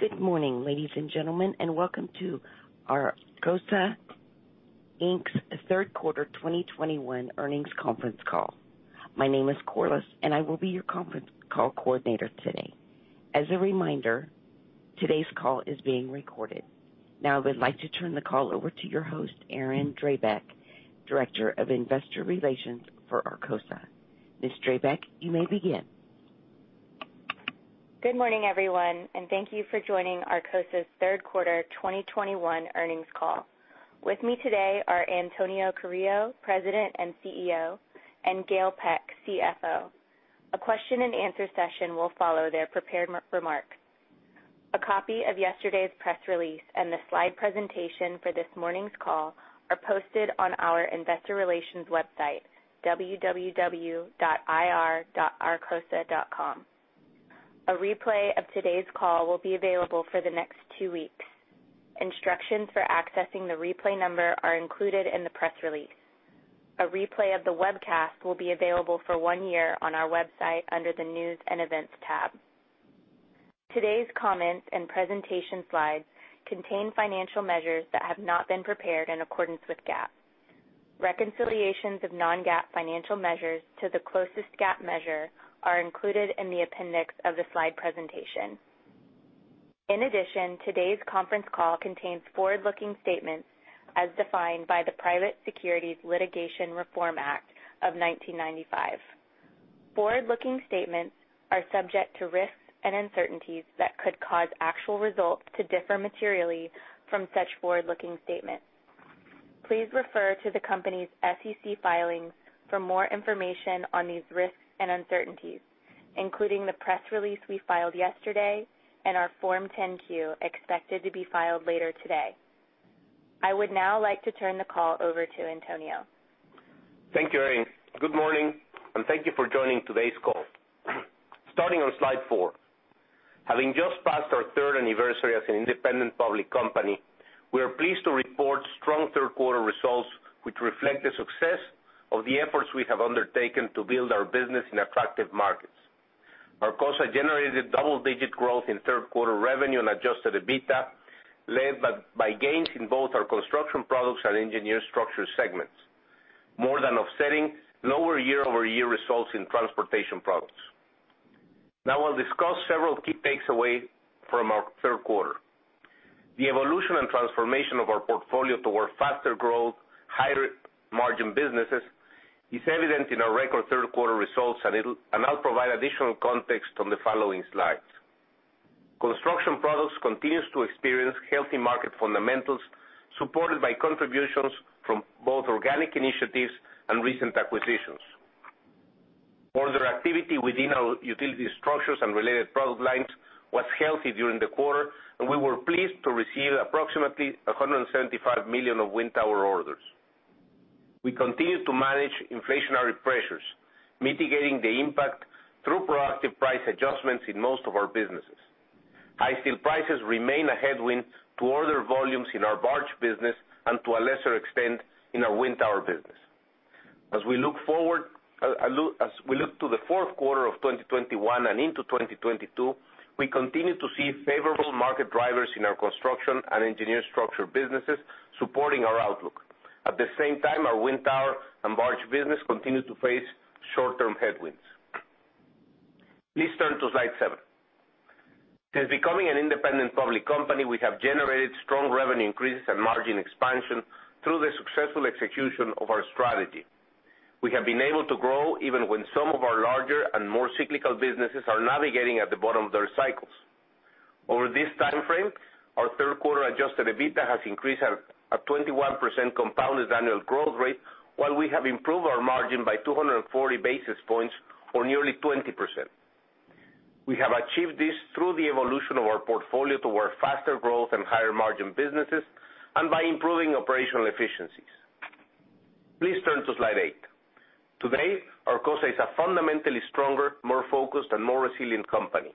Good morning, ladies and gentlemen, and welcome to Arcosa, Inc.'s Q3 2021 earnings conference call. My name is Corliss, and I will be your conference call coordinator today. As a reminder, today's call is being recorded. Now I would like to turn the call over to your host, Erin Drabek, Director of Investor Relations for Arcosa. Ms. Drabek, you may begin. Good morning, everyone, and thank you for joining Arcosa's Q3 2021 earnings call. With me today are Antonio Carrillo, President and CEO, and Gail Peck, CFO. A question and answer session will follow their prepared remarks. A copy of yesterday's press release and the slide presentation for this morning's call are posted on our investor relations website, www.ir.arcosa.com. A replay of today's call will be available for the next two weeks. Instructions for accessing the replay number are included in the press release. A replay of the webcast will be available for one year on our website under the News and Events tab. Today's comments and presentation slides contain financial measures that have not been prepared in accordance with GAAP. Reconciliations of non-GAAP financial measures to the closest GAAP measure are included in the appendix of the slide presentation. In addition, today's conference call contains forward-looking statements as defined by the Private Securities Litigation Reform Act of 1995. Forward-looking statements are subject to risks and uncertainties that could cause actual results to differ materially from such forward-looking statements. Please refer to the company's SEC filings for more information on these risks and uncertainties, including the press release we filed yesterday and our Form 10-Q, expected to be filed later today. I would now like to turn the call over to Antonio. Thank you, Erin. Good morning, and thank you for joining today's call. Starting on slide four. Having just passed our third anniversary as an independent public company, we are pleased to report strong Q3 results which reflect the success of the efforts we have undertaken to build our business in attractive markets. Arcosa generated double-digit growth in Q3 revenue and adjusted EBITDA, led by gains in both our Construction Products and Engineered Structures segments, more than offsetting lower year-over-year results in Transportation Products. Now I'll discuss several key takeaways from our Q3. The evolution and transformation of our portfolio toward faster growth, higher margin businesses is evident in our record Q3 results, and I'll provide additional context on the following slides. Construction Products continues to experience healthy market fundamentals, supported by contributions from both organic initiatives and recent acquisitions. Order activity within our utility structures and related product lines was healthy during the quarter, and we were pleased to receive approximately $175 million of wind tower orders. We continue to manage inflationary pressures, mitigating the impact through proactive price adjustments in most of our businesses. High steel prices remain a headwind to order volumes in our barge business and to a lesser extent, in our wind tower business. As we look to the Q4 of 2021 and into 2022, we continue to see favorable market drivers in our construction and Engineered Structures businesses supporting our outlook. At the same time, our wind tower and barge businesses continue to face short-term headwinds. Please turn to slide seven. Since becoming an independent public company, we have generated strong revenue increases and margin expansion through the successful execution of our strategy. We have been able to grow even when some of our larger and more cyclical businesses are navigating at the bottom of their cycles. Over this timeframe, our third quarter adjusted EBITDA has increased at 21% compounded annual growth rate, while we have improved our margin by 240 basis points or nearly 20%. We have achieved this through the evolution of our portfolio toward faster growth and higher margin businesses and by improving operational efficiencies. Please turn to slide eight. Today, Arcosa is a fundamentally stronger, more focused, and more resilient company.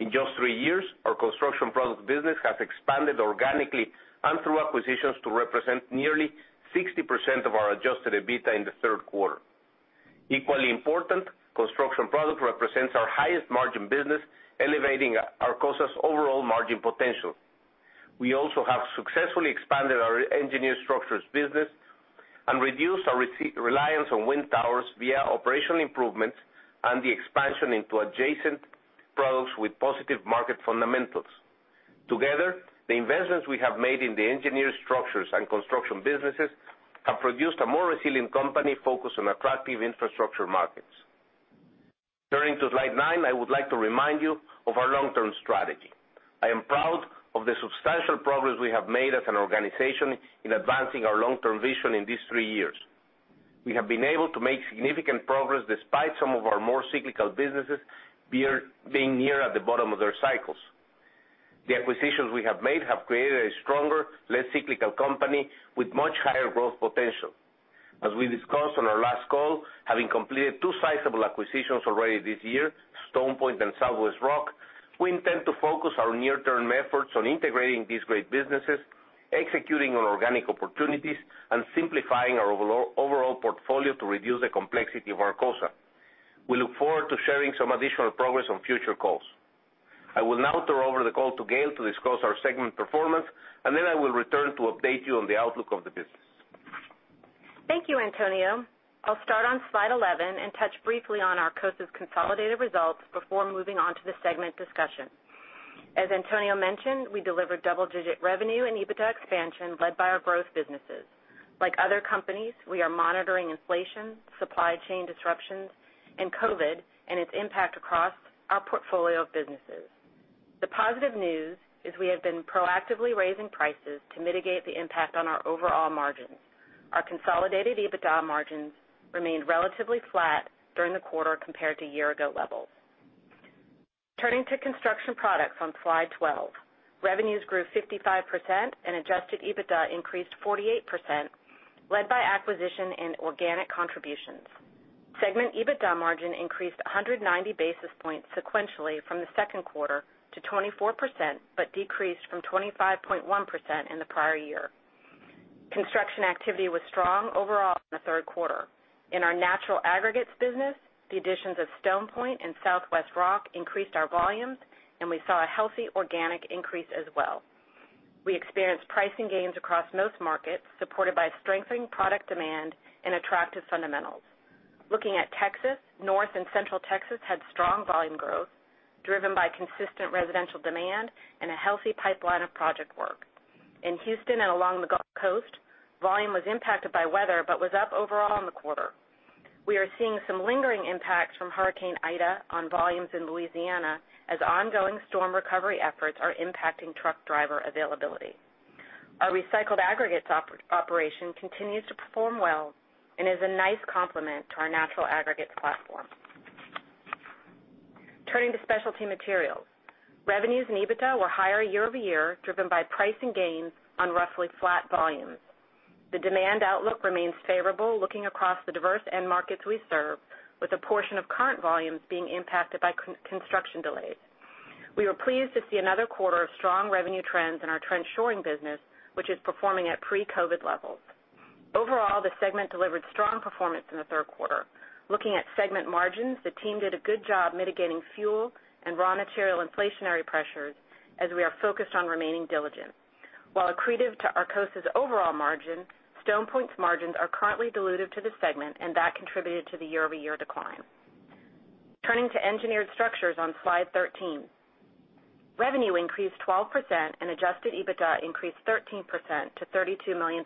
In just three years, our Construction Products business has expanded organically and through acquisitions to represent nearly 60% of our adjusted EBITDA in the Q3. Equally important, Construction Products represents our highest margin business, elevating Arcosa's overall margin potential. We also have successfully expanded our Engineered Structures business and reduced our reliance on wind towers via operational improvements and the expansion into adjacent products with positive market fundamentals. Together, the investments we have made in the Engineered Structures and Construction businesses have produced a more resilient company focused on attractive infrastructure markets. Turning to slide nine, I would like to remind you of our long-term strategy. I am proud of the substantial progress we have made as an organization in advancing our long-term vision in these three years. We have been able to make significant progress despite some of our more cyclical businesses being near at the bottom of their cycles. The acquisitions we have made have created a stronger, less cyclical company with much higher growth potential. As we discussed on our last call, having completed two sizable acquisitions already this year, StonePoint and Southwest Rock, we intend to focus our near-term efforts on integrating these great businesses, executing on organic opportunities, and simplifying our overall portfolio to reduce the complexity of Arcosa. We look forward to sharing some additional progress on future calls. I will now turn over the call to Gail to discuss our segment performance, and then I will return to update you on the outlook of the business. Thank you, Antonio. I'll start on slide 11 and touch briefly on Arcosa's consolidated results before moving on to the segment discussion. As Antonio mentioned, we delivered double-digit revenue and EBITDA expansion led by our growth businesses. Like other companies, we are monitoring inflation, supply chain disruptions, and COVID and its impact across our portfolio of businesses. The positive news is we have been proactively raising prices to mitigate the impact on our overall margins. Our consolidated EBITDA margins remained relatively flat during the quarter compared to year-ago levels. Turning to Construction Products on slide 12. Revenues grew 55% and adjusted EBITDA increased 48%, led by acquisition and organic contributions. Segment EBITDA margin increased 190 basis points sequentially from the second quarter to 24%, but decreased from 25.1% in the prior year. Construction activity was strong overall in the third quarter. In our natural aggregates business, the additions of StonePoint and Southwest Rock increased our volumes, and we saw a healthy organic increase as well. We experienced pricing gains across most markets, supported by strengthening product demand and attractive fundamentals. Looking at Texas, North and Central Texas had strong volume growth, driven by consistent residential demand and a healthy pipeline of project work. In Houston and along the Gulf Coast, volume was impacted by weather, but was up overall in the quarter. We are seeing some lingering impacts from Hurricane Ida on volumes in Louisiana as ongoing storm recovery efforts are impacting truck driver availability. Our recycled aggregates operation continues to perform well and is a nice complement to our natural aggregates platform. Turning to Specialty Materials. Revenues and EBITDA were higher year-over-year, driven by pricing gains on roughly flat volumes. The demand outlook remains favorable looking across the diverse end markets we serve, with a portion of current volumes being impacted by construction delays. We were pleased to see another quarter of strong revenue trends in our trench shoring business, which is performing at pre-COVID levels. Overall, the segment delivered strong performance in the Q3. Looking at segment margins, the team did a good job mitigating fuel and raw material inflationary pressures, as we are focused on remaining diligent. While accretive to Arcosa's overall margin, Stone Point's margins are currently dilutive to the segment, and that contributed to the year-over-year decline. Turning to Engineered Structures on slide 13. Revenue increased 12% and adjusted EBITDA increased 13% to $32 million,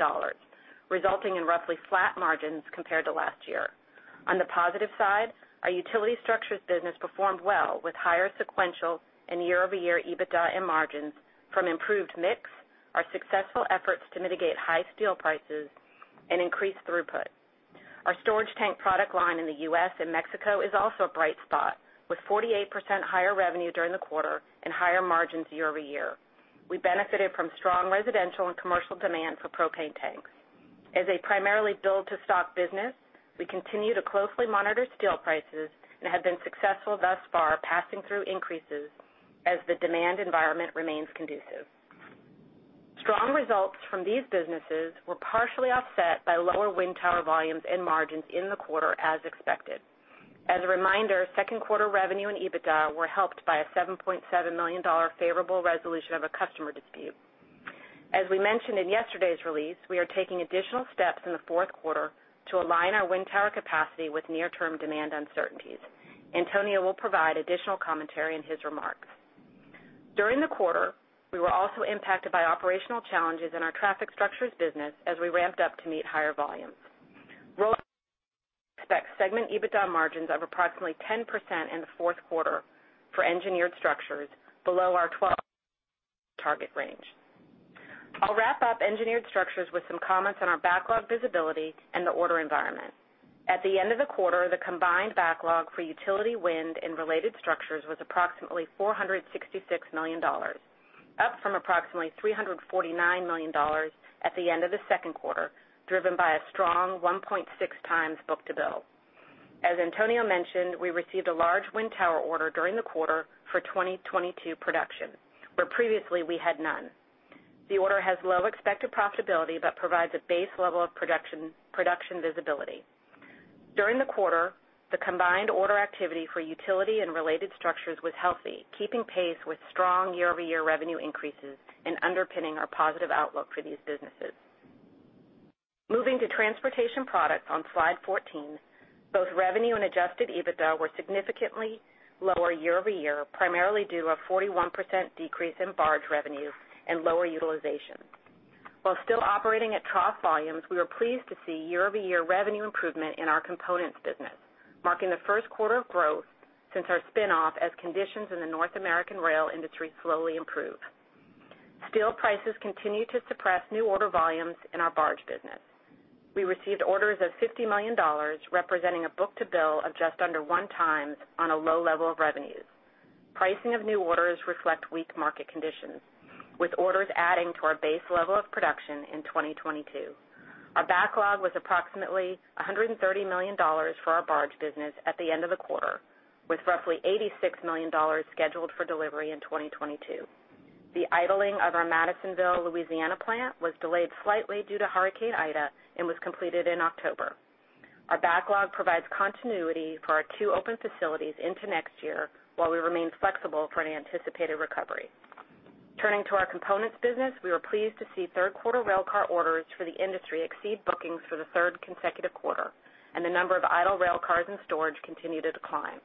resulting in roughly flat margins compared to last year. On the positive side, our utility structures business performed well with higher sequential and year-over-year EBITDA and margins from improved mix, our successful efforts to mitigate high steel prices, and increased throughput. Our storage tank product line in the U.S. and Mexico is also a bright spot, with 48% higher revenue during the quarter and higher margins year-over-year. We benefited from strong residential and commercial demand for propane tanks. As a primarily build-to-stock business, we continue to closely monitor steel prices and have been successful thus far passing through increases as the demand environment remains conducive. Strong results from these businesses were partially offset by lower wind tower volumes and margins in the quarter as expected. As a reminder, Q2 revenue and EBITDA were helped by a $7.7 million favorable resolution of a customer dispute. As we mentioned in yesterday's release, we are taking additional steps in the Q4 to align our wind tower capacity with near-term demand uncertainties. Antonio will provide additional commentary in his remarks. During the quarter, we were also impacted by operational challenges in our traffic structures business as we ramped up to meet higher volumes. We expect segment EBITDA margins of approximately 10% in the Q4 for Engineered Structures, below our 12% target range. I'll wrap up Engineered Structures with some comments on our backlog visibility and the order environment. At the end of the quarter, the combined backlog for utility wind and related structures was approximately $466 million, up from approximately $349 million at the end of the Q2, driven by a strong 1.6x book-to-bill. As Antonio mentioned, we received a large wind tower order during the quarter for 2022 production, where previously we had none. The order has low expected profitability, but provides a base level of production visibility. During the quarter, the combined order activity for utility and related structures was healthy, keeping pace with strong year-over-year revenue increases and underpinning our positive outlook for these businesses. Moving to Transportation Products on slide 14. Both revenue and adjusted EBITDA were significantly lower year-over-year, primarily due to a 41% decrease in barge revenue and lower utilization. While still operating at trough volumes, we were pleased to see year-over-year revenue improvement in our components business, marking the Q1 of growth since our spin-off as conditions in the North American rail industry slowly improve. Steel prices continue to suppress new order volumes in our barge business. We received orders of $50 million, representing a book-to-bill of just under 1x on a low level of revenues. Pricing of new orders reflect weak market conditions, with orders adding to our base level of production in 2022. Our backlog was approximately $130 million for our barge business at the end of the quarter, with roughly $86 million scheduled for delivery in 2022. The idling of our Madisonville, Louisiana plant was delayed slightly due to Hurricane Ida and was completed in October. Our backlog provides continuity for our two open facilities into next year while we remain flexible for an anticipated recovery. Turning to our components business, we were pleased to see third quarter railcar orders for the industry exceed bookings for the third consecutive quarter, and the number of idle railcars in storage continue to decline.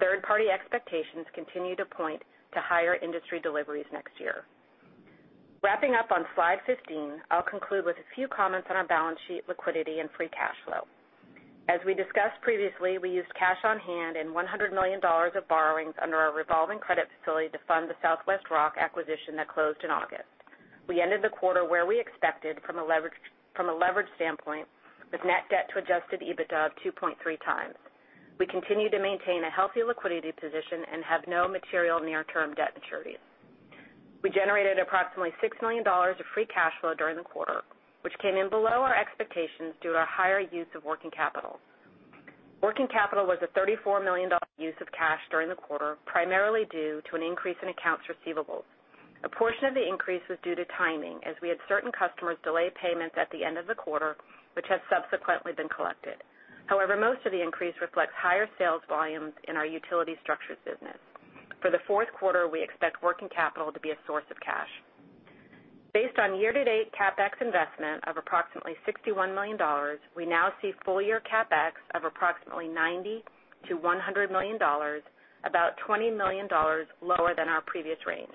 Third-party expectations continue to point to higher industry deliveries next year. Wrapping up on slide 15, I'll conclude with a few comments on our balance sheet liquidity and free cash flow. As we discussed previously, we used cash on hand and $100 million of borrowings under our revolving credit facility to fund the Southwest Rock acquisition that closed in August. We ended the quarter where we expected from a leverage, from a leverage standpoint, with net debt to adjusted EBITDA of 2.3×. We continue to maintain a healthy liquidity position and have no material near-term debt maturities. We generated approximately $6 million of free cash flow during the quarter, which came in below our expectations due to higher use of working capital. Working capital was a $34 million use of cash during the quarter, primarily due to an increase in accounts receivable. A portion of the increase was due to timing, as we had certain customers delay payments at the end of the quarter, which has subsequently been collected. However, most of the increase reflects higher sales volumes in our utility structures business. For the Q4, we expect working capital to be a source of cash. Based on year-to-date CapEx investment of approximately $61 million, we now see full year CapEx of approximately $90 million-$100 million, about $20 million lower than our previous range.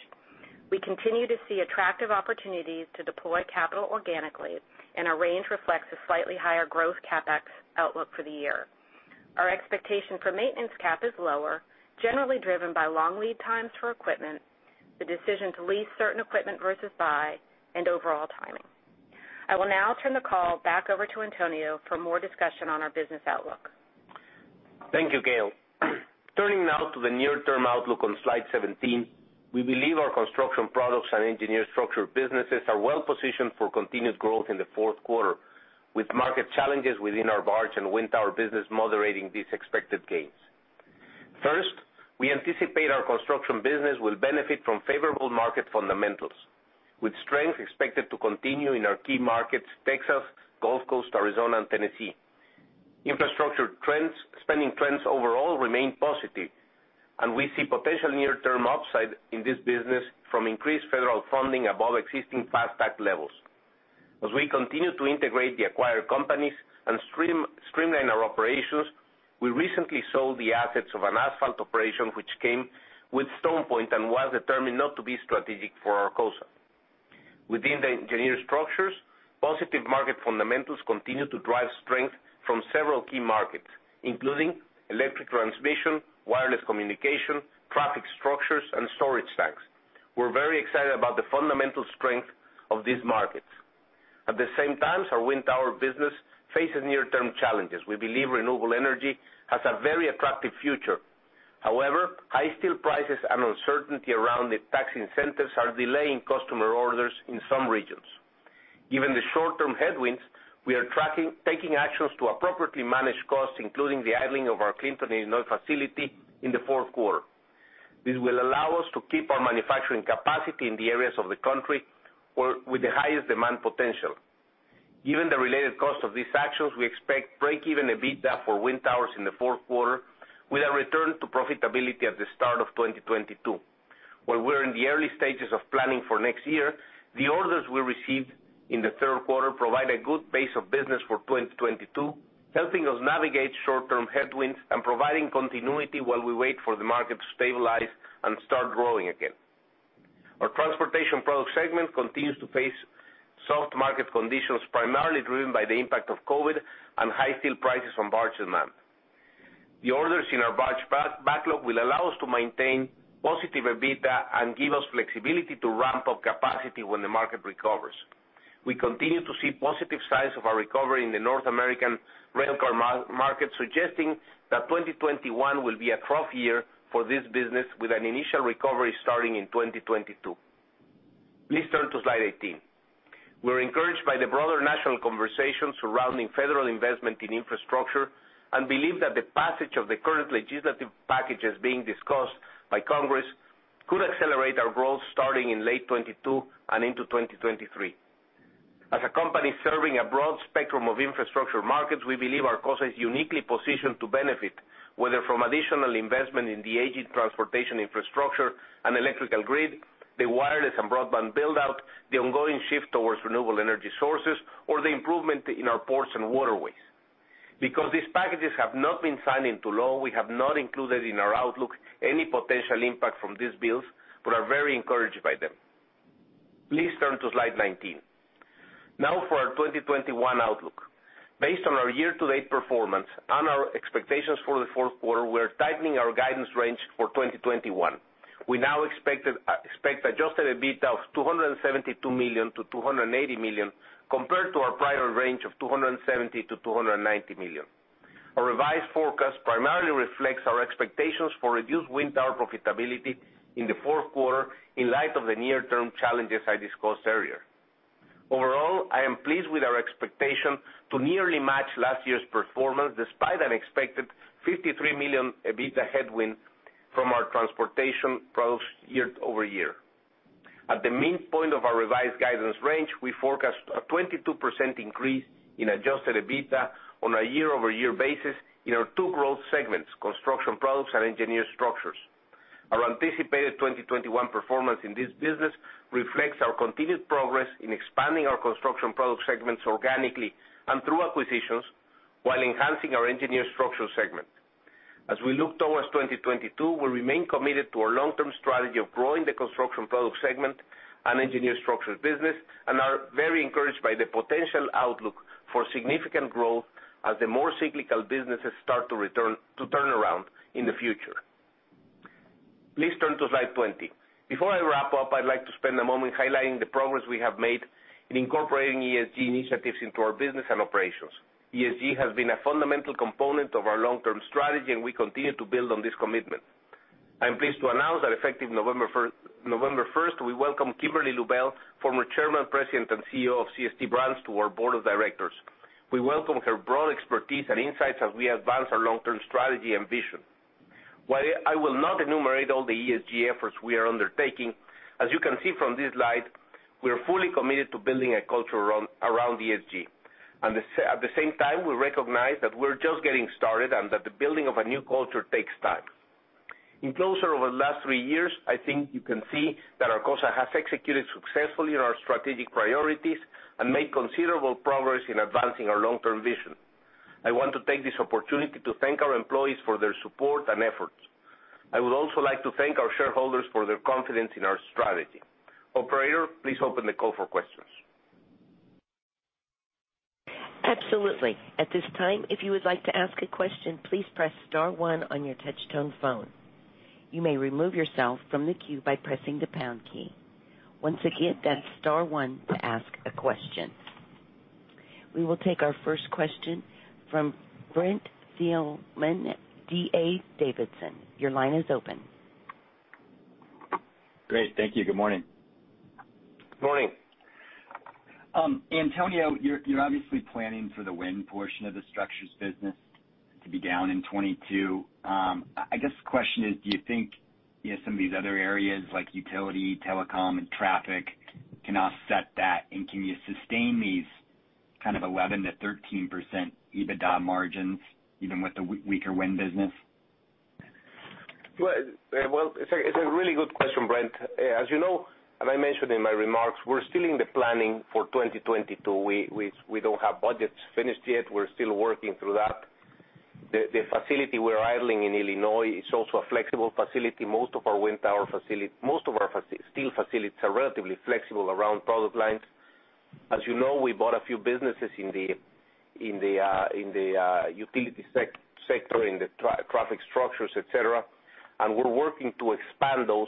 We continue to see attractive opportunities to deploy capital organically, and our range reflects a slightly higher growth CapEx outlook for the year. Our expectation for maintenance CapEx is lower, generally driven by long lead times for equipment, the decision to lease certain equipment versus buy, and overall timing. I will now turn the call back over to Antonio for more discussion on our business outlook. Thank you, Gail. Turning now to the near-term outlook on slide 17. We believe our Construction Products and Engineered Structures businesses are well positioned for continued growth in the Q4, with market challenges within our barge and wind tower business moderating these expected gains. First, we anticipate our construction business will benefit from favorable market fundamentals, with strength expected to continue in our key markets, Texas, Gulf Coast, Arizona, and Tennessee. Infrastructure spending trends overall remain positive, and we see potential near-term upside in this business from increased federal funding above existing FAST Act levels. As we continue to integrate the acquired companies and streamline our operations, we recently sold the assets of an asphalt operation which came with StonePoint and was determined not to be strategic for Arcosa. Within the Engineered Structures, positive market fundamentals continue to drive strength from several key markets, including electric transmission, wireless communication, traffic structures, and storage tanks. We're very excited about the fundamental strength of these markets. At the same time, our wind tower business faces near-term challenges. We believe renewable energy has a very attractive future. However, high steel prices and uncertainty around the tax incentives are delaying customer orders in some regions. Given the short-term headwinds, we are taking actions to appropriately manage costs, including the idling of our Clinton, Illinois facility in the Q4. This will allow us to keep our manufacturing capacity in the areas of the country with the highest demand potential. Given the related cost of these actions, we expect break-even EBITDA for wind towers in theQ4, with a return to profitability at the start of 2022. While we're in the early stages of planning for next year, the orders we received in the Q3 provide a good base of business for 2022, helping us navigate short-term headwinds and providing continuity while we wait for the market to stabilize and start growing again. Our Transportation Products segment continues to face soft market conditions, primarily driven by the impact of COVID and high steel prices on barge demand. The orders in our barge backlog will allow us to maintain positive EBITDA and give us flexibility to ramp up capacity when the market recovers. We continue to see positive signs of our recovery in the North American railcar market, suggesting that 2021 will be a trough year for this business, with an initial recovery starting in 2022. Please turn to slide 18. We're encouraged by the broader national conversation surrounding federal investment in infrastructure and believe that the passage of the current legislative packages being discussed by Congress could accelerate our growth starting in late 2022 and into 2023. As a company serving a broad spectrum of infrastructure markets, we believe Arcosa is uniquely positioned to benefit, whether from additional investment in the aging transportation infrastructure and electrical grid, the wireless and broadband build-out, the ongoing shift towards renewable energy sources, or the improvement in our ports and waterways. Because these packages have not been signed into law, we have not included in our outlook any potential impact from these bills, but are very encouraged by them. Please turn to slide 19. Now for our 2021 outlook. Based on our year-to-date performance and our expectations for the Q4, we're tightening our guidance range for 2021. We expect adjusted EBITDA of $272 million-$280 million, compared to our prior range of $270 million-$290 million. Our revised forecast primarily reflects our expectations for reduced wind tower profitability in the Q4 in light of the near-term challenges I discussed earlier. Overall, I am pleased with our expectation to nearly match last year's performance despite an expected $53 million EBITDA headwind from our Transportation Products year over year. At the midpoint of our revised guidance range, we forecast a 22% increase in adjusted EBITDA on a year-over-year basis in our two growth segments, Construction Products and Engineered Structures. Our anticipated 2021 performance in this business reflects our continued progress in expanding our Construction Products segment organically and through acquisitions while enhancing our Engineered Structures segment. As we look towards 2022, we remain committed to our long-term strategy of growing the Construction Products segment and Engineered Structures business and are very encouraged by the potential outlook for significant growth as the more cyclical businesses start to turn around in the future. Please turn to slide 20. Before I wrap up, I'd like to spend a moment highlighting the progress we have made in incorporating ESG initiatives into our business and operations. ESG has been a fundamental component of our long-term strategy, and we continue to build on this commitment. I am pleased to announce that effective November first, we welcome Kimberly Lubel, former Chairman, President, and CEO of CST Brands, to our Board of Directors. We welcome her broad expertise and insights as we advance our long-term strategy and vision. While I will not enumerate all the ESG efforts we are undertaking, as you can see from this slide, we are fully committed to building a culture around ESG. At the same time, we recognize that we're just getting started and that the building of a new culture takes time. In closing, over the last three years, I think you can see that Arcosa has executed successfully in our strategic priorities and made considerable progress in advancing our long-term vision. I want to take this opportunity to thank our employees for their support and efforts. I would also like to thank our shareholders for their confidence in our strategy. Operator, please open the call for questions. Absolutely. At this time, if you would like to ask a question, please press star one on your touch-tone phone. You may remove yourself from the queue by pressing the pound key. Once again, that's star one to ask a question. We will take our first question from Brent Thielman, D.A. Davidson. Your line is open. Great. Thank you. Good morning. Good morning. Antonio, you're obviously planning for the wind portion of the structures business to be down in 2022. I guess the question is, do you think, you know, some of these other areas like utility, telecom, and traffic can offset that? Can you sustain these kind of 11%-13% EBITDA margins even with the weaker wind business? Well, it's a really good question, Brent. As you know, and I mentioned in my remarks, we're still in the planning for 2022. We don't have budgets finished yet. We're still working through that. The facility we're idling in Illinois is also a flexible facility. Most of our steel facilities are relatively flexible around product lines. As you know, we bought a few businesses in the utility sector, in the traffic structures, et cetera, and we're working to expand those.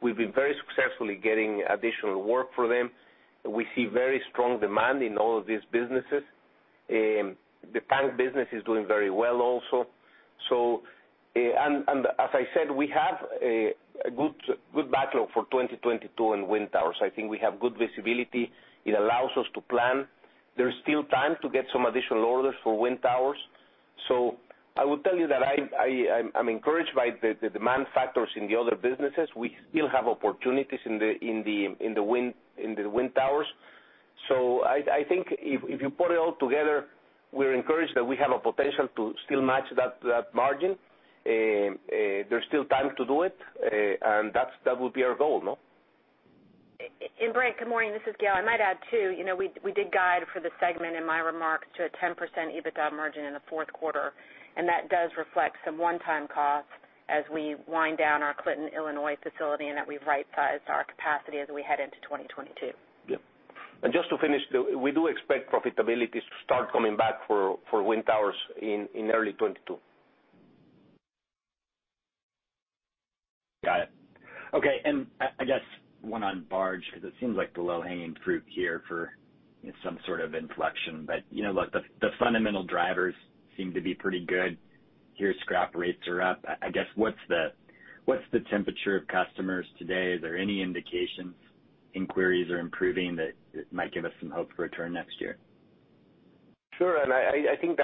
We've been very successfully getting additional work for them. We see very strong demand in all of these businesses. The pipe business is doing very well also. As I said, we have a good backlog for 2022 in wind towers. I think we have good visibility. It allows us to plan. There's still time to get some additional orders for wind towers. I will tell you that I'm encouraged by the demand factors in the other businesses. We still have opportunities in the wind towers. I think if you put it all together, we're encouraged that we have a potential to still match that margin. There's still time to do it, and that would be our goal, no? Brent, good morning. This is Gail. I might add, too, you know, we did guide for the segment in my remarks to a 10% EBITDA margin in the fourth quarter, and that does reflect some one-time costs as we wind down our Clinton, Illinois facility and that we've right-sized our capacity as we head into 2022. Yeah. Just to finish, we do expect profitabilities to start coming back for wind towers in early 2022. Got it. Okay. I guess one on barge, 'cause it seems like the low-hanging fruit here for some sort of inflection. You know, look, the fundamental drivers seem to be pretty good here. Scrap rates are up. I guess, what's the temperature of customers today? Is there any indication that inquiries are improving that it might give us some hope for a turn next year? Sure. I think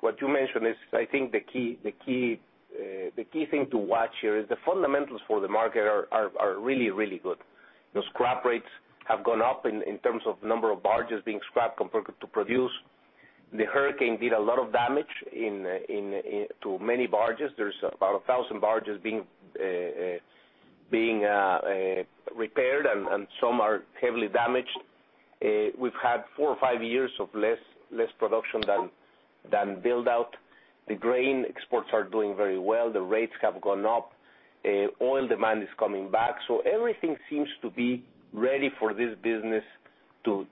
what you mentioned is the key thing to watch here is the fundamentals for the market are really good. The scrap rates have gone up in terms of number of barges being scrapped compared to production. The hurricane did a lot of damage to many barges. There's about 1,000 barges being repaired, and some are heavily damaged. We've had four or five years of less production than build out. The grain exports are doing very well. The rates have gone up. Oil demand is coming back. Everything seems to be ready for this business to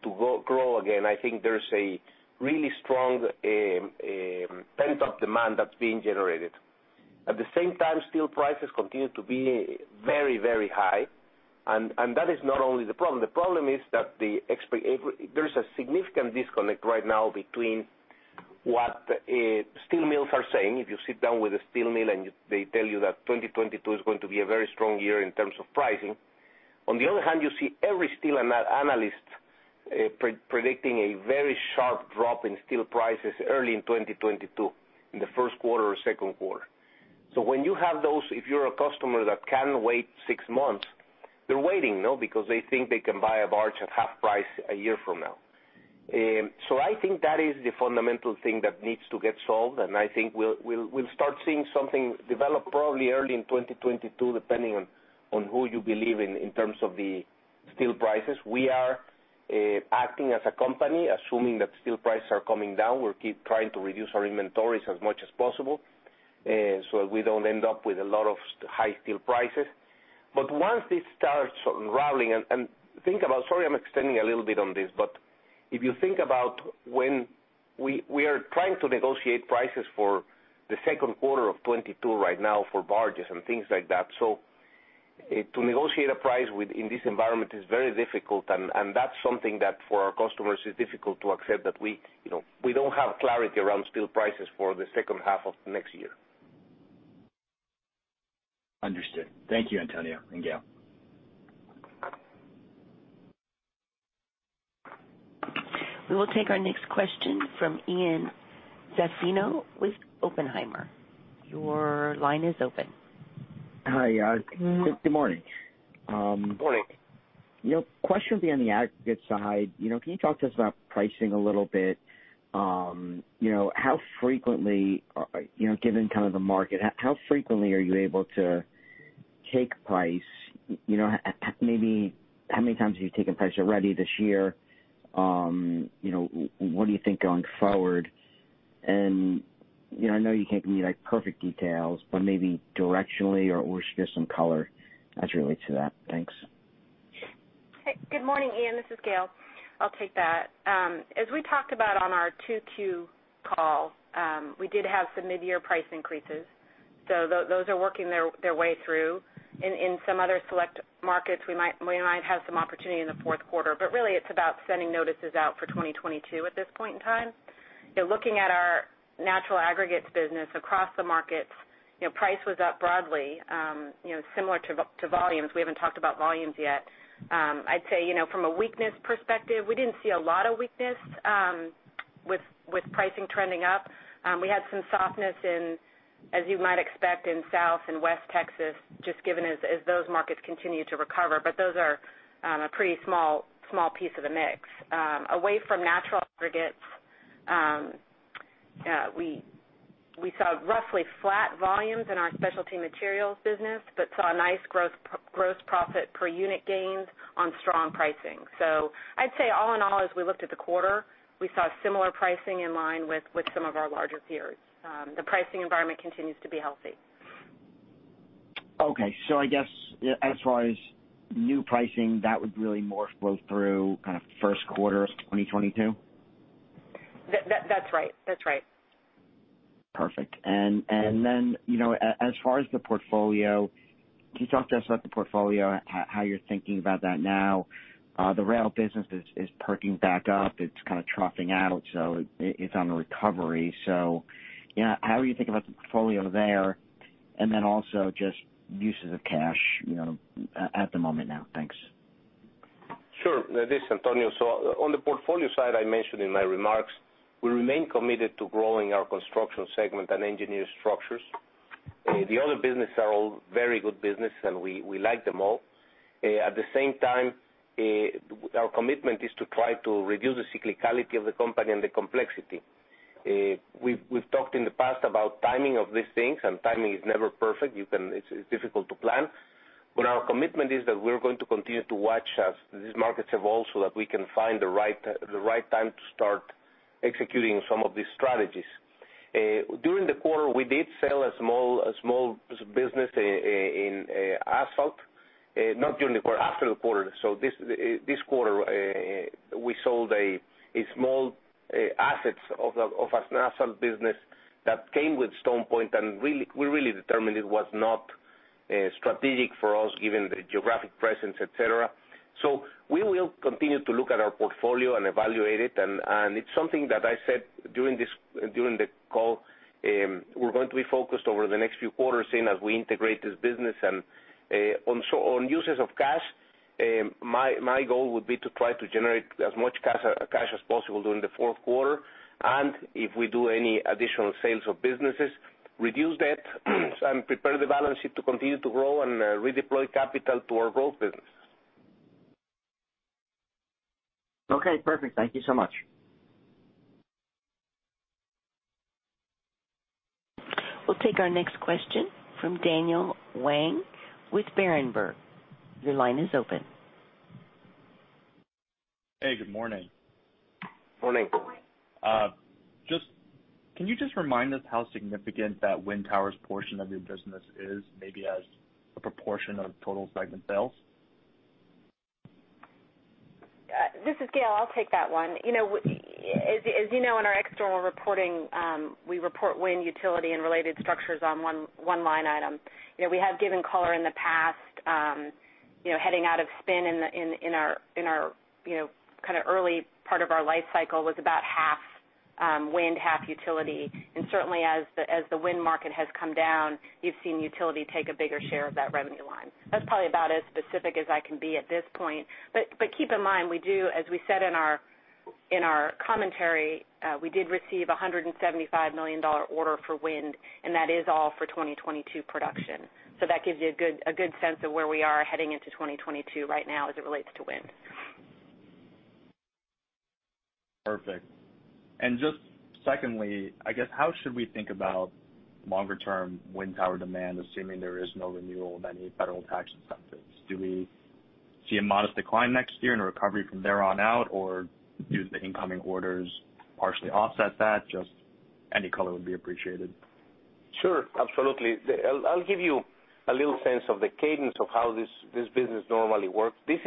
grow again. I think there's a really strong pent-up demand that's being generated. At the same time, steel prices continue to be very, very high. That is not only the problem. The problem is that there is a significant disconnect right now between what steel mills are saying. If you sit down with a steel mill and they tell you that 2022 is going to be a very strong year in terms of pricing. On the other hand, you see every steel analyst predicting a very sharp drop in steel prices early in 2022, in the Q1 or Q2. When you have those, if you're a customer that can wait six months, they're waiting, no, because they think they can buy a barge at half price a year from now. I think that is the fundamental thing that needs to get solved, and I think we'll start seeing something develop probably early in 2022, depending on who you believe in terms of the steel prices. We are acting as a company, assuming that steel prices are coming down. We'll keep trying to reduce our inventories as much as possible, so we don't end up with a lot of high steel prices. But once this starts unraveling. Sorry, I'm extending a little bit on this, but if you think about when we are trying to negotiate prices for the second quarter of 2022 right now for barges and things like that. To negotiate a price with, in this environment is very difficult, and that's something that for our customers, it's difficult to accept that we, you know, we don't have clarity around steel prices for the second half of next year. Understood. Thank you, Antonio and Gail. We will take our next question from Ian Zaffino with Oppenheimer. Your line is open. Hi. Good morning. Morning. You know, question will be on the aggregate side. You know, can you talk to us about pricing a little bit? You know, how frequently, given kind of the market, how frequently are you able to take price? You know, maybe how many times have you taken price already this year? You know, what do you think going forward? You know, I know you can't give me, like, perfect details, but maybe directionally or just some color as it relates to that. Thanks. Hey, good morning, Ian. This is Gail. I'll take that. As we talked about on our Q2 call, we did have some mid-year price increases, so those are working their way through. In some other select markets, we might have some opportunity in the Q4, but really it's about sending notices out for 2022 at this point in time. You know, looking at our natural aggregates business across the markets, you know, price was up broadly, you know, similar to volumes. We haven't talked about volumes yet. I'd say, you know, from a weakness perspective, we didn't see a lot of weakness, with pricing trending up. We had some softness, as you might expect, in South and West Texas, just given that those markets continue to recover. Those are a pretty small piece of the mix. Away from natural aggregates, we saw roughly flat volumes in our Specialty Materials business, but saw a nice gross profit per unit gains on strong pricing. I'd say all in all, as we looked at the quarter, we saw similar pricing in line with some of our larger peers. The pricing environment continues to be healthy. Okay. I guess as far as new pricing, that would really more flow through kind of first quarter of 2022. That's right. Perfect. You know, as far as the portfolio, can you talk to us about the portfolio, how you're thinking about that now? The rail business is perking back up. It's kind of troughing out, so it's on the recovery. You know, how are you thinking about the portfolio there? Also just uses of cash, you know, at the moment now. Thanks. This is Antonio. On the portfolio side, I mentioned in my remarks, we remain committed to growing our Construction Products segment and Engineered Structures. The other business are all very good business, and we like them all. At the same time, our commitment is to try to reduce the cyclicality of the company and the complexity. We've talked in the past about timing of these things, and timing is never perfect. It's difficult to plan. Our commitment is that we're going to continue to watch as these markets evolve so that we can find the right time to start executing some of these strategies. During the quarter, we did sell a small business in asphalt. Not during the quarter, after the quarter. This quarter, we sold a small asset of an asphalt business that came with StonePoint, and really, we determined it was not strategic for us given the geographic presence, et cetera. We will continue to look at our portfolio and evaluate it. It's something that I said during the call; we're going to be focused over the next few quarters and as we integrate this business. On uses of cash, my goal would be to try to generate as much cash as possible during the Q4. If we do any additional sales of businesses, reduce debt and prepare the balance sheet to continue to grow and redeploy capital to our growth business. Okay, perfect. Thank you so much. We'll take our next question from Daniel Wang with Berenberg. Your line is open. Hey, good morning. Morning. Morning. Can you just remind us how significant that wind towers portion of your business is, maybe as a proportion of total segment sales? This is Gail. I'll take that one. You know, as you know, in our external reporting, we report wind utility and related structures on one line item. You know, we have given color in the past, you know, heading out of spin in our, you know, kind of early part of our life cycle was about half wind, half utility. Certainly as the wind market has come down, you've seen utility take a bigger share of that revenue line. That's probably about as specific as I can be at this point. keep in mind, we do, as we said in our commentary, we did receive a $175 million order for wind, and that is all for 2022 production. That gives you a good sense of where we are heading into 2022 right now as it relates to wind. Perfect. Just secondly, I guess, how should we think about longer term wind tower demand, assuming there is no renewal of any federal tax incentives? Do we see a modest decline next year and a recovery from there on out? Or do the incoming orders partially offset that? Just any color would be appreciated. Sure. Absolutely. I'll give you a little sense of the cadence of how this business normally works. This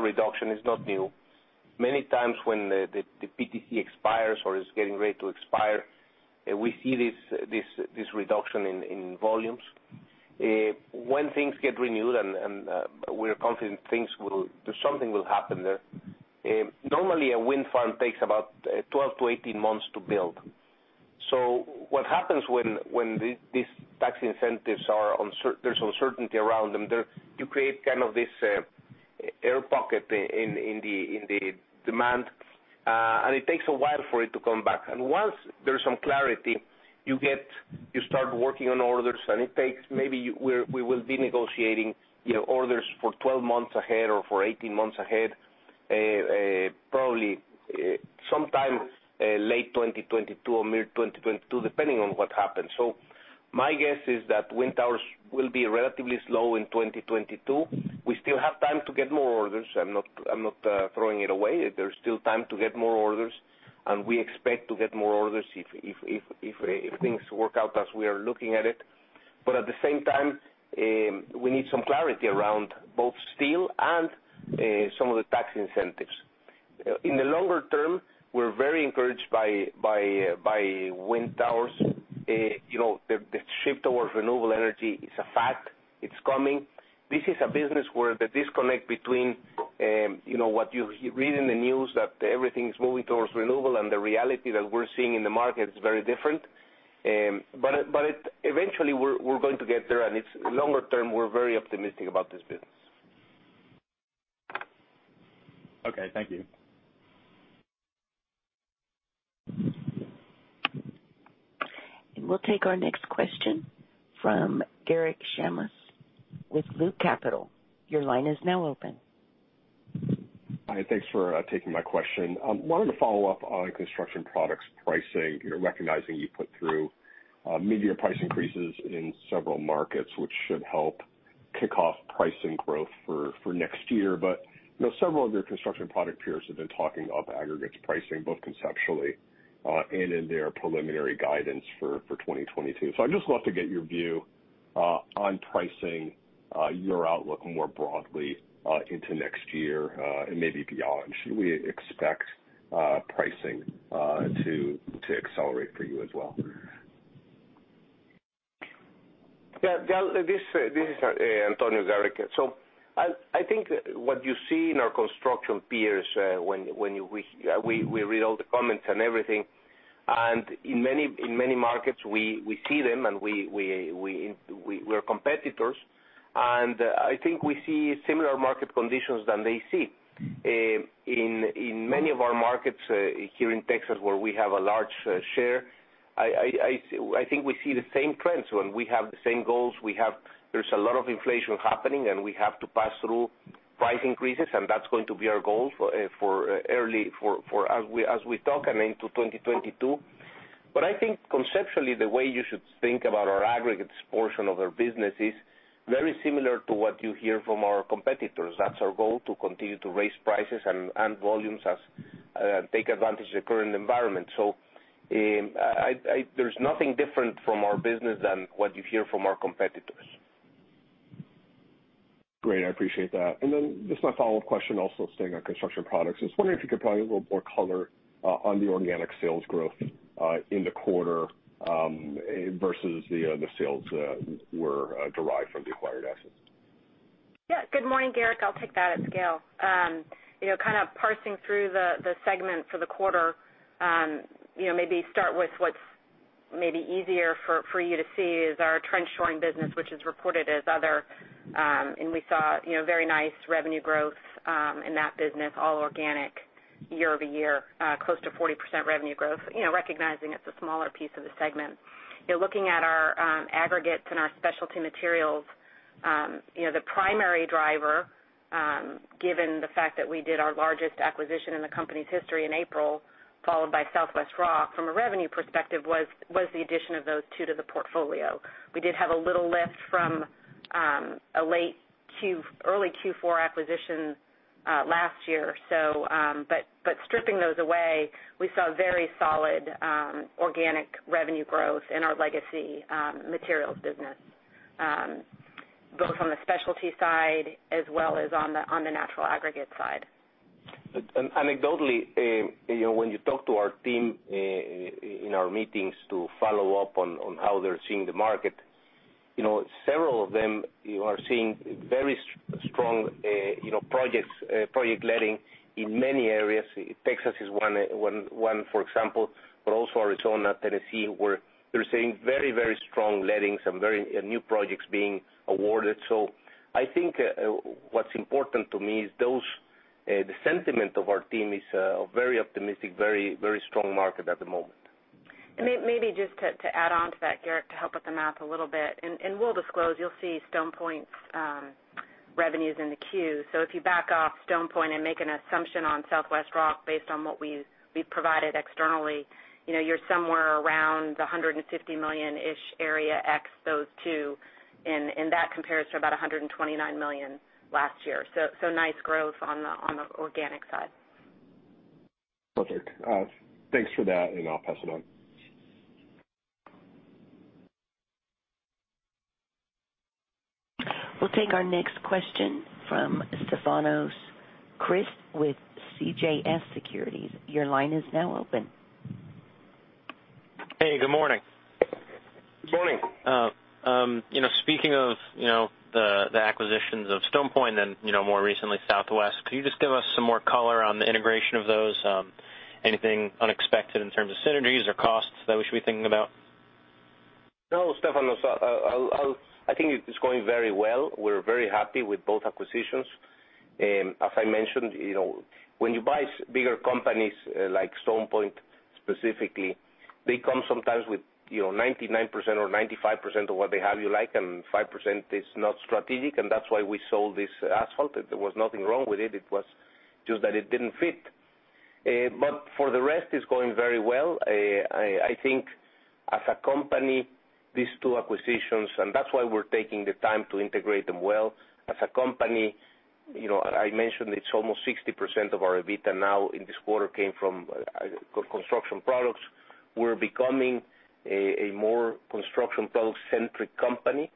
reduction is not new. Many times when the PTC expires or is getting ready to expire, we see this reduction in volumes when things get renewed and we're confident something will happen there. Normally, a wind farm takes about 12-18 months to build. What happens when there's uncertainty around them, you create kind of this air pocket in the demand, and it takes a while for it to come back. Once there's some clarity, you start working on orders, and it takes maybe we will be negotiating, you know, orders for 12 months ahead or for 18 months ahead, probably sometime late 2022 or mid 2022, depending on what happens. My guess is that wind towers will be relatively slow in 2022. We still have time to get more orders. I'm not throwing it away. There's still time to get more orders, and we expect to get more orders if things work out as we are looking at it. At the same time, we need some clarity around both steel and some of the tax incentives. In the longer term, we're very encouraged by wind towers. You know, the shift towards renewable energy is a fact. It's coming. This is a business where the disconnect between, you know, what you read in the news that everything is moving towards renewable and the reality that we're seeing in the market is very different. But eventually, we're going to get there. It's longer term, we're very optimistic about this business. Okay. Thank you. We'll take our next question from Garik Shmois with Loop Capital. Your line is now open. Hi, thanks for taking my question. Wanted to follow up on Construction Products pricing, recognizing you put through mid-year price increases in several markets, which should help kick off pricing growth for next year. You know, several of your Construction Products peers have been talking up aggregates pricing, both conceptually and in their preliminary guidance for 2022. I'd just love to get your view on pricing, your outlook more broadly into next year and maybe beyond. Should we expect pricing to accelerate for you as well? Yeah. This is Antonio, Garik. I think what you see in our construction peers when we read all the comments and everything. In many markets, we see them, and we're competitors. I think we see similar market conditions than they see. In many of our markets here in Texas, where we have a large share, I think we see the same trends, and we have the same goals. There's a lot of inflation happening, and we have to pass through price increases, and that's going to be our goal as we talk and into 2022. I think conceptually, the way you should think about our aggregates portion of our business is very similar to what you hear from our competitors. That's our goal, to continue to raise prices and volumes as we take advantage of the current environment. There's nothing different from our business than what you hear from our competitors. Great. I appreciate that. Just my follow-up question, also staying on Construction Products. I was wondering if you could provide a little more color on the organic sales growth in the quarter versus the sales derived from the acquired assets. Yeah. Good morning, Garik. I'll take that. It's Gail. You know, kind of parsing through the segment for the quarter, you know, maybe start with what's maybe easier for you to see is our trench shoring business, which is reported as other. We saw, you know, very nice revenue growth in that business, all organic year-over-year, close to 40% revenue growth, you know, recognizing it's a smaller piece of the segment. You know, looking at our aggregates and our specialty materials, you know, the primary driver, given the fact that we did our largest acquisition in the company's history in April, followed by Southwest Rock from a revenue perspective, was the addition of those two to the portfolio. We did have a little lift from an early Q4 acquisition last year. Stripping those away, we saw very solid organic revenue growth in our legacy materials business. Both on the specialty side as well as on the natural aggregate side. Anecdotally, you know, when you talk to our team in our meetings to follow up on how they're seeing the market, you know, several of them are seeing very strong project letting in many areas. Texas is one, for example. But also Arizona, Tennessee, where they're seeing very strong lettings and new projects being awarded. I think what's important to me is the sentiment of our team is very optimistic, very strong market at the moment. Maybe just to add on to that, Garik, to help with the math a little bit, and we'll disclose, you'll see StonePoint's revenues in the Q. So if you back off StonePoint and make an assumption on Southwest Rock based on what we've provided externally, you know, you're somewhere around the $150 million-ish area ex those two, and that compares to about $129 million last year. So nice growth on the organic side. Perfect. Thanks for that, and I'll pass it on. We'll take our next question from Stefanos Crist with CJS Securities. Your line is now open. Hey, good morning. Good morning. You know, speaking of, you know, the acquisitions of StonePoint and, you know, more recently Southwest, can you just give us some more color on the integration of those? Anything unexpected in terms of synergies or costs that we should be thinking about? No, Stefanos, I'll I think it's going very well. We're very happy with both acquisitions. As I mentioned, you know, when you buy bigger companies like StonePoint specifically, they come sometimes with, you know, 99% or 95% of what they have you like, and five percent is not strategic, and that's why we sold this asphalt. There was nothing wrong with it. It was just that it didn't fit. But for the rest, it's going very well. I think as a company, these two acquisitions, and that's why we're taking the time to integrate them well. As a company, you know, I mentioned it's almost 60% of our EBITDA now in this quarter came from Construction Products. We're becoming a more Construction Products-centric company.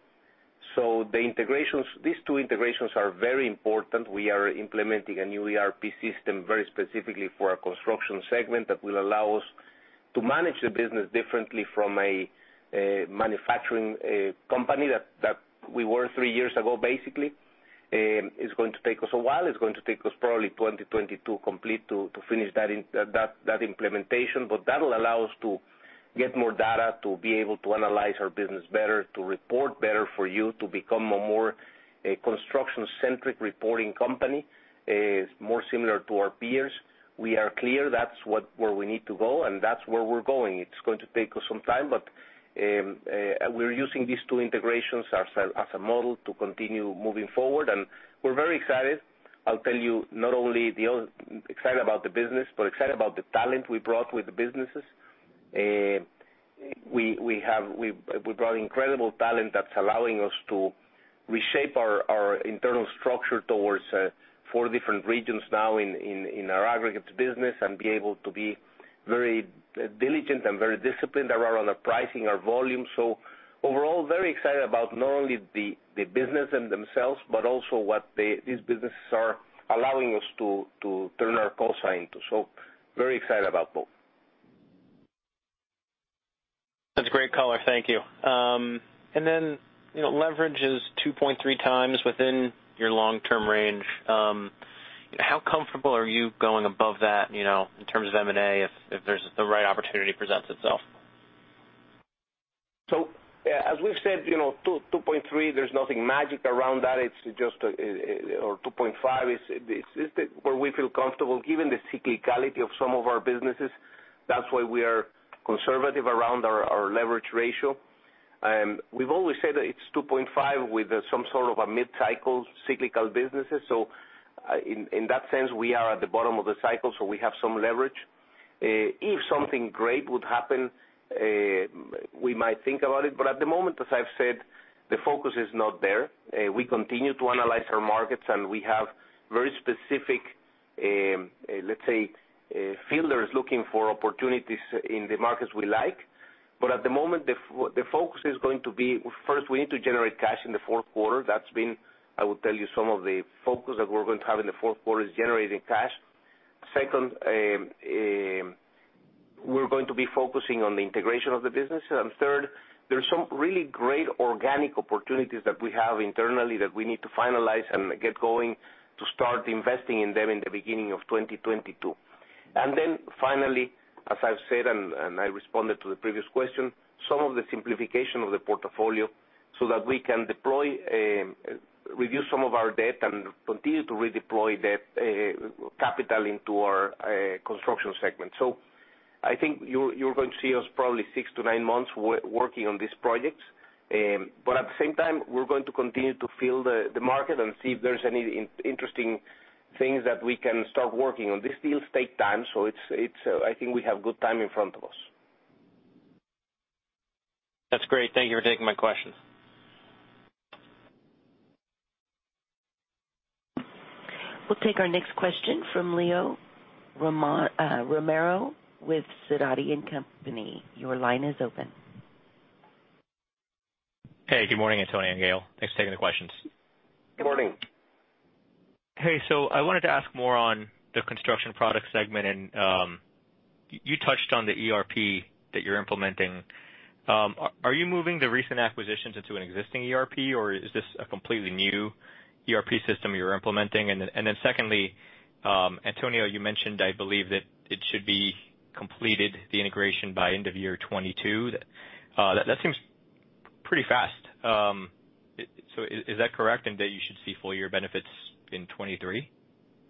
The integrations, these two integrations are very important. We are implementing a new ERP system very specifically for our construction segment that will allow us to manage the business differently from a manufacturing company that we were three years ago, basically. It's going to take us a while. It's going to take us probably 2022 to complete that implementation. That'll allow us to get more data, to be able to analyze our business better, to report better for you, to become a more construction-centric reporting company more similar to our peers. We are clear that's where we need to go, and that's where we're going. It's going to take us some time, but we're using these two integrations as a model to continue moving forward, and we're very excited. I'll tell you, not only excited about the business, but excited about the talent we brought with the businesses. We brought incredible talent that's allowing us to reshape our internal structure towards four different regions now in our aggregates business and be able to be very diligent and very disciplined around our pricing, our volume. Overall, very excited about not only the business in themselves, but also what these businesses are allowing us to turn our course into. Very excited about both. That's great color. Thank you. You know, leverage is 2.3x within your long-term range. You know, how comfortable are you going above that in terms of M&A if there's the right opportunity presents itself? As we've said, you know, 2.3, there's nothing magic around that. It's just, or 2.5. It's where we feel comfortable given the cyclicality of some of our businesses. That's why we are conservative around our leverage ratio. We've always said that it's 2.5 with some sort of a mid-cycle cyclical businesses. In that sense, we are at the bottom of the cycle, so we have some leverage. If something great would happen, we might think about it. But at the moment, as I've said, the focus is not there. We continue to analyze our markets, and we have very specific, let's say, feelers looking for opportunities in the markets we like. At the moment, the focus is going to be, first, we need to generate cash in the fourth quarter. That's been, I will tell you, some of the focus that we're going to have in the fourth quarter is generating cash. Second, we're going to be focusing on the integration of the business. Third, there's some really great organic opportunities that we have internally that we need to finalize and get going to start investing in them in the beginning of 2022. Finally, as I've said, and I responded to the previous question, some of the simplification of the portfolio so that we can deploy, reduce some of our debt and continue to redeploy debt, capital into our Construction Products segment. I think you're going to see us probably six-nine months working on these projects. At the same time, we're going to continue to feel the market and see if there's any interesting things that we can start working on. These deals take time, so it's I think we have good time in front of us. That's great. Thank you for taking my question. We'll take our next question from Julio Romero with Sidoti & Company. Your line is open. Hey, good morning, Antonio and Gail. Thanks for taking the questions. Good morning. Hey. I wanted to ask more on the Construction Products segment. You touched on the ERP that you're implementing. Are you moving the recent acquisitions into an existing ERP, or is this a completely new ERP system you're implementing? Secondly, Antonio, you mentioned, I believe, that it should be completed, the integration, by end of year 2022. That seems pretty fast. Is that correct, in that you should see full year benefits in 2023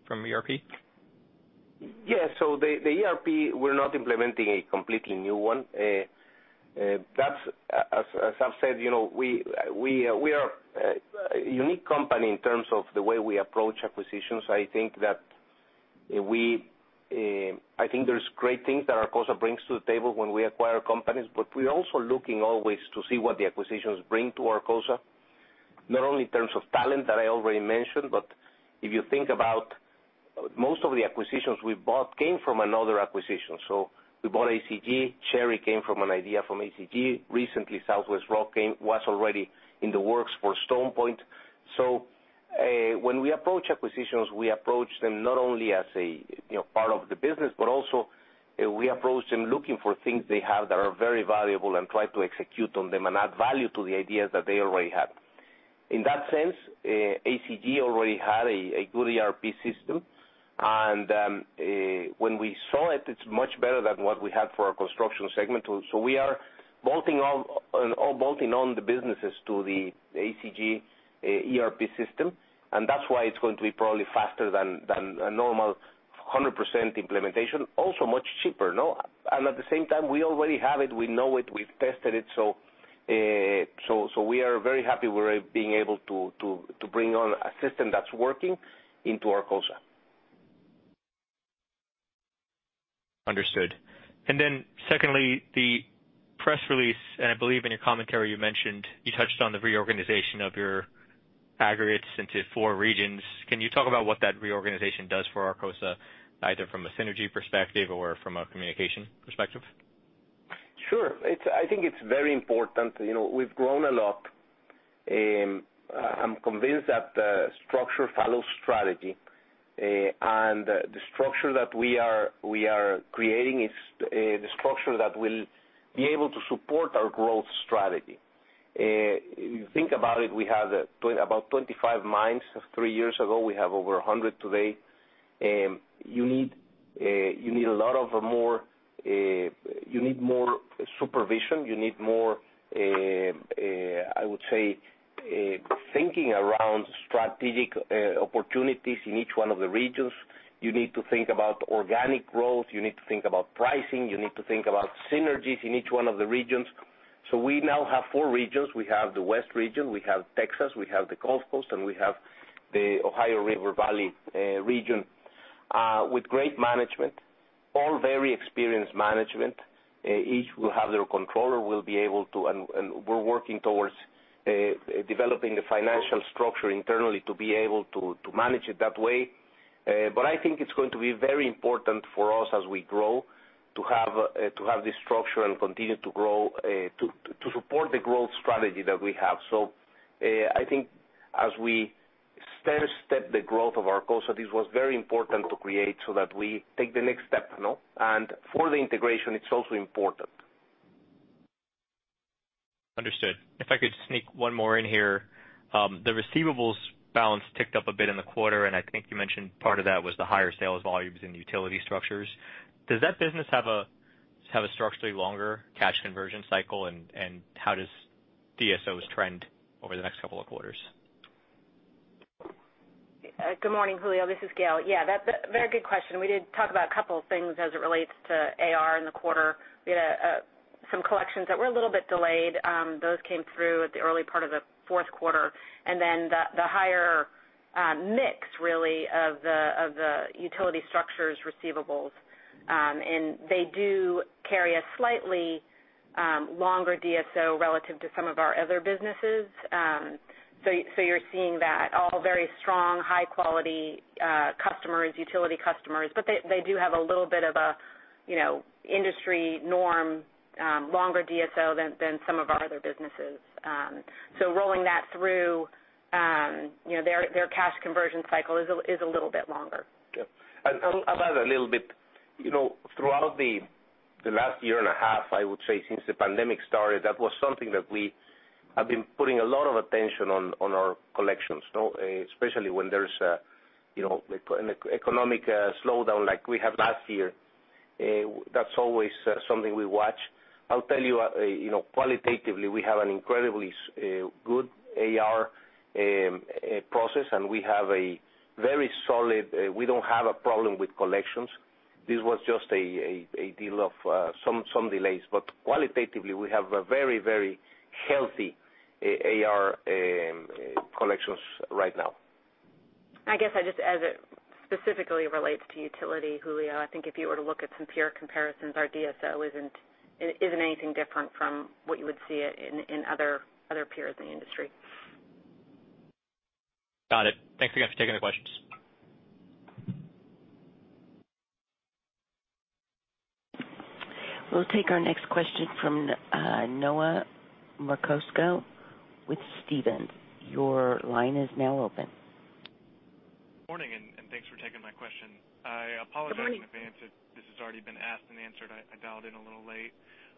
from ERP? Yeah. The ERP, we're not implementing a completely new one. That's, as I've said, you know, we are a unique company in terms of the way we approach acquisitions. I think there's great things that Arcosa brings to the table when we acquire companies, but we're also looking always to see what the acquisitions bring to Arcosa, not only in terms of talent that I already mentioned, but if you think about most of the acquisitions we bought came from another acquisition. We bought ACG. Cherry came from an idea from ACG. Recently, Southwest Rock was already in the works for StonePoint. When we approach acquisitions, we approach them not only as a you know part of the business, but also we approach them looking for things they have that are very valuable and try to execute on them and add value to the ideas that they already have. In that sense, ACG already had a good ERP system. When we saw it's much better than what we had for our construction segment. We are bolting on the businesses to the ACG ERP system, and that's why it's going to be probably faster than a normal 100% implementation. Also much cheaper, no? At the same time, we already have it. We know it. We've tested it. We are very happy we're being able to bring on a system that's working into Arcosa. Understood. Then secondly, the press release, and I believe in your commentary, you mentioned you touched on the reorganization of your aggregates into four regions. Can you talk about what that reorganization does for Arcosa, either from a synergy perspective or from a communication perspective? Sure. I think it's very important. You know, we've grown a lot. I'm convinced that the structure follows strategy. The structure that we are creating is the structure that will be able to support our growth strategy. If you think about it, we have about 25 mines three years ago. We have over 100 today. You need a lot more supervision. You need more, I would say, thinking around strategic opportunities in each one of the regions. You need to think about organic growth. You need to think about pricing. You need to think about synergies in each one of the regions. We now have four regions. We have the West region, we have Texas, we have the Gulf Coast, and we have the Ohio River Valley region with great management, all very experienced management. Each will have their controller and we're working towards developing the financial structure internally to be able to manage it that way. I think it's going to be very important for us as we grow to have this structure and continue to grow to support the growth strategy that we have. I think as we stair step the growth of Arcosa, this was very important to create so that we take the next step now. For the integration, it's also important. Understood. If I could sneak one more in here. The receivables balance ticked up a bit in the quarter, and I think you mentioned part of that was the higher sales volumes in utility structures. Does that business have a structurally longer cash conversion cycle? And how does DSOs trend over the next couple of quarters? Good morning, Julio. This is Gail. Yeah, that very good question. We did talk about a couple of things as it relates to AR in the quarter. We had some collections that were a little bit delayed. Those came through at the early part of the Q4. Then the higher mix really of the utility structures receivables, and they do carry a slightly longer DSO relative to some of our other businesses. So you're seeing that all very strong, high quality customers, utility customers, but they do have a little bit of a, you know, industry norm longer DSO than some of our other businesses. So rolling that through, you know, their cash conversion cycle is a little bit longer. I'll add a little bit. You know, throughout the last year and a half, I would say since the pandemic started, that was something that we have been putting a lot of attention on our collections, no? Especially when there's a you know, an economic slowdown like we have last year. That's always something we watch. I'll tell you know, qualitatively, we have an incredibly good AR process, and we have a very solid, we don't have a problem with collections. This was just a deal of some delays. But qualitatively, we have a very, very healthy AR collections right now. I guess, just as it specifically relates to utility, Julio, I think if you were to look at some peer comparisons, our DSO isn't anything different from what you would see in other peers in the industry. Got it. Thanks again for taking the questions. We'll take our next question from Noah Merkousko with Stephens. Your line is now open. Morning, thanks for taking my question. I apologize in advance if this has already been asked and answered. I dialed in a little late.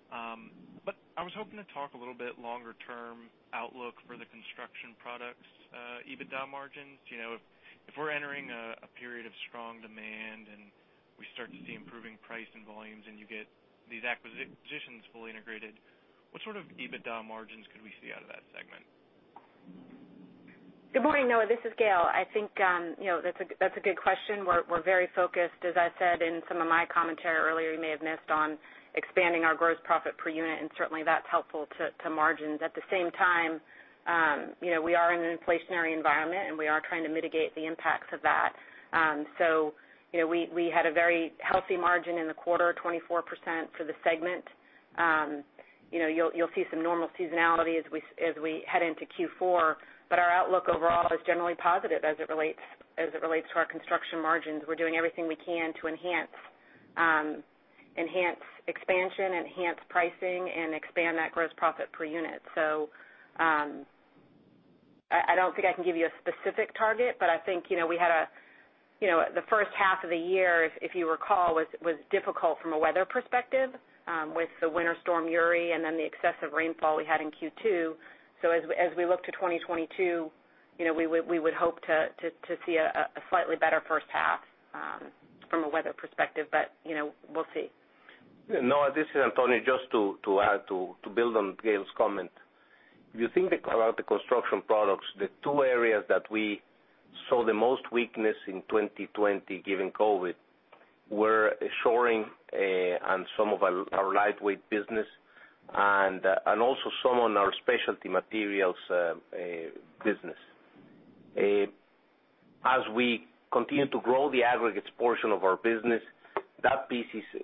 I was hoping to talk a little bit longer term outlook for the Construction Products EBITDA margins. You know, if we're entering a period of strong demand and we start to see improving price and volumes and you get these acquisitions fully integrated, what sort of EBITDA margins could we see out of that segment? Good morning, Noah. This is Gail. I think, you know, that's a good question. We're very focused, as I said in some of my commentary earlier, you may have missed on expanding our gross profit per unit, and certainly that's helpful to margins. At the same time, you know, we are in an inflationary environment, and we are trying to mitigate the impacts of that. You know, we had a very healthy margin in the quarter, 24% for the segment. You know, you'll see some normal seasonality as we head into Q4. Our outlook overall is generally positive as it relates to our construction margins. We're doing everything we can to enhance expansion, enhance pricing, and expand that gross profit per unit. I don't think I can give you a specific target, but I think, you know, we had, you know, the first half of the year, if you recall, was difficult from a weather perspective, with the winter storm Uri and then the excessive rainfall we had in Q2. As we look to 2022, you know, we would hope to see a slightly better first half, from a weather perspective. You know, we'll see. Noah, this is Antonio. Just to add to build on Gail's comment. If you think about the Construction Products, the two areas that we saw the most weakness in 2020, given COVID, were shoring and some of our lightweight business and also some on our Specialty Materials business. As we continue to grow the aggregates portion of our business, that piece is,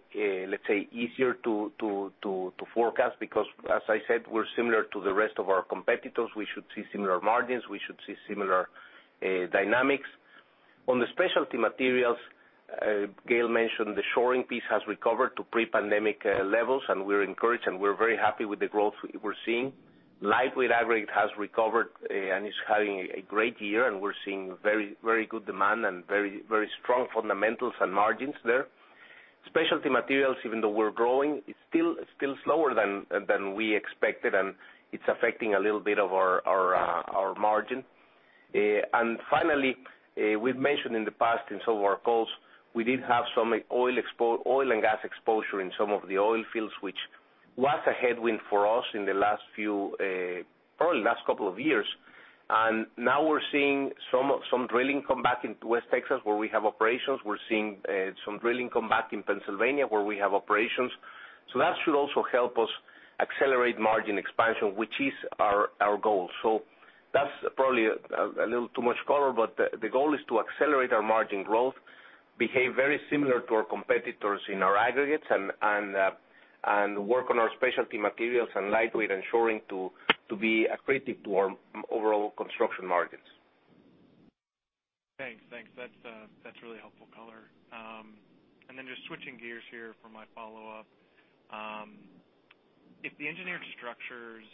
let's say, easier to forecast because, as I said, we're similar to the rest of our competitors. We should see similar margins, we should see similar dynamics. On the Specialty Materials, Gail mentioned the shoring piece has recovered to pre-pandemic levels, and we're encouraged, and we're very happy with the growth we're seeing. Lightweight aggregate has recovered and is having a great year, and we're seeing very, very good demand and very, very strong fundamentals and margins there. Specialty Materials, even though we're growing, is still slower than we expected, and it's affecting a little bit of our margin. Finally, we've mentioned in the past in some of our calls, we did have some oil and gas exposure in some of the oil fields, which was a headwind for us in the last few or last couple of years. Now we're seeing some drilling come back in West Texas, where we have operations. We're seeing some drilling come back in Pennsylvania, where we have operations. That should also help us accelerate margin expansion, which is our goal. That's probably a little too much color, but the goal is to accelerate our margin growth, behave very similar to our competitors in our aggregates and work on our Specialty Materials and lightweight and shoring to be accretive to our overall construction margins. Thanks. That's really helpful color. Just switching gears here for my follow-up. If the Engineered Structures,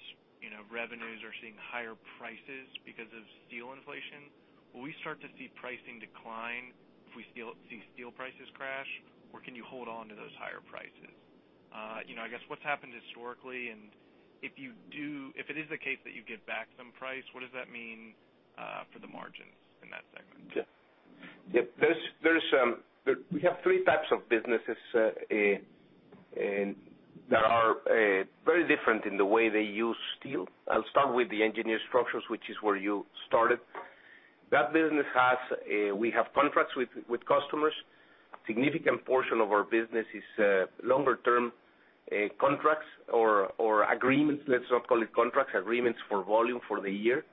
you know, revenues are seeing higher prices because of steel inflation, will we start to see pricing decline if we see steel prices crash, or can you hold on to those higher prices? You know, I guess what's happened historically, and if it is the case that you give back some price, what does that mean for the margins in that segment? Yeah. We have three types of businesses that are very different in the way they use steel. I'll start with the Engineered Structures, which is where you started. We have contracts with customers. Significant portion of our business is longer-term contracts or agreements, let's not call it contracts, agreements for volume for the year,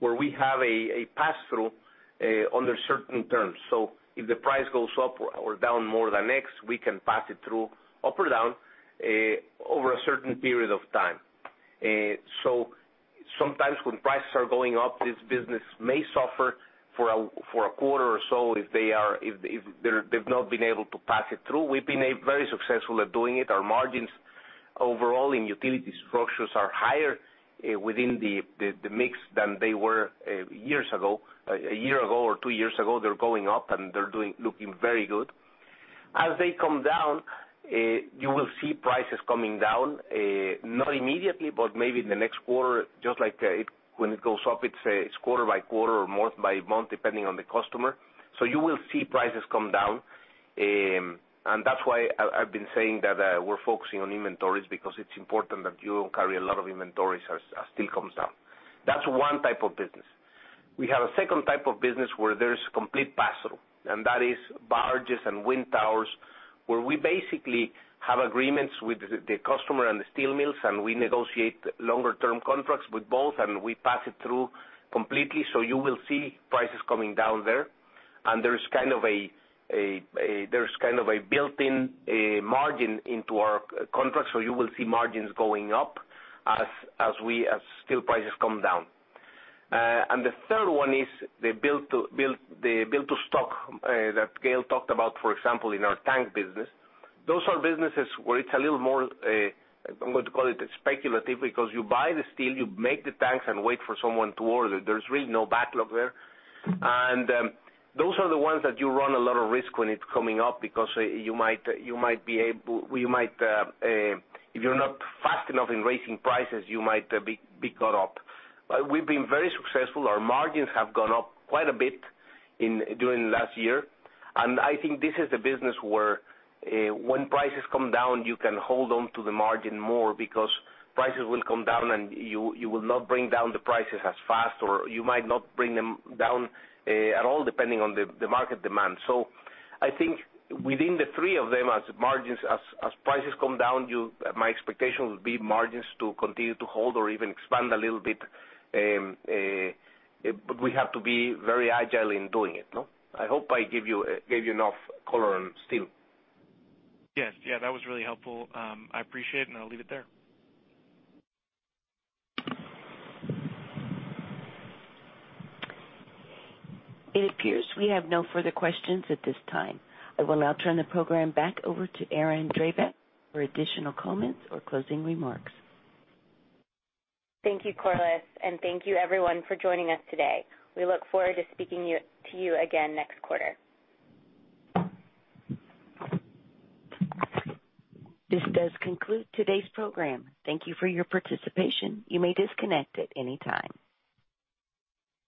where we have a pass-through under certain terms. If the price goes up or down more than X, we can pass it through, up or down, over a certain period of time. Sometimes when prices are going up, this business may suffer for a quarter or so if they've not been able to pass it through. We've been very successful at doing it. Our margins overall in utility structures are higher within the mix than they were years ago, a year ago or two years ago. They're going up, and they're looking very good. As they come down, you will see prices coming down not immediately, but maybe in the next quarter, just like when it goes up, it's quarter by quarter or month by month, depending on the customer. You will see prices come down. That's why I've been saying that we're focusing on inventories because it's important that you carry a lot of inventories as steel comes down. That's one type of business. We have a second type of business where there's complete pass-through, and that is barges and wind towers, where we basically have agreements with the customer and the steel mills, and we negotiate longer-term contracts with both, and we pass it through completely. You will see prices coming down there. There is kind of a built-in margin into our contracts, so you will see margins going up as steel prices come down. The third one is the build-to-stock that Gail talked about, for example, in our tank business. Those are businesses where it's a little more speculative, because you buy the steel, you make the tanks, and wait for someone to order. There's really no backlog there. Those are the ones that you run a lot of risk when it's coming up because you might if you're not fast enough in raising prices, you might be caught up. We've been very successful. Our margins have gone up quite a bit during last year. I think this is a business where when prices come down, you can hold on to the margin more because prices will come down, and you will not bring down the prices as fast, or you might not bring them down at all, depending on the market demand. I think within the three of them, as margins as prices come down, my expectation would be margins to continue to hold or even expand a little bit, but we have to be very agile in doing it. I hope I gave you enough color on steel. Yes. Yeah, that was really helpful. I appreciate it, and I'll leave it there. It appears we have no further questions at this time. I will now turn the program back over to Erin Drabek for additional comments or closing remarks. Thank you, Corliss, and thank you everyone for joining us today. We look forward to speaking to you again next quarter. This does conclude today's program. Thank you for your participation. You may disconnect at any time.